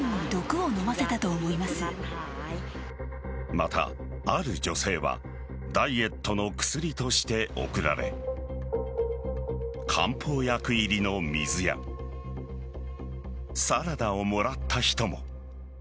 また、ある女性はダイエットの薬として送られ漢方薬入りの水やサラダをもらった人も。